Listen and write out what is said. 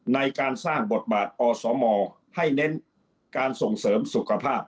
ในการสร้างบทบาทอสมให้เน้นการส่งเสริมสุขภาพ